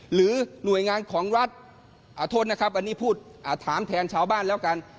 หรือหน่วยงานของรัฐโทษนะครับอันนี้พูดถามแทนชาวบ้านแล้วกัน